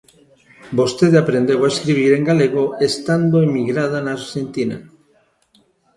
Vostede aprendeu a escribir en galego estando emigrada na Arxentina.